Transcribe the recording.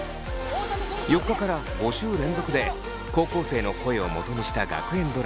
４日から５週連続で高校生の声をもとにした学園ドラマ